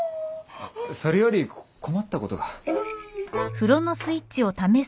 それより困ったことが。